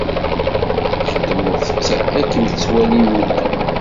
Txedmeḍ-tt akken ttwalin medden.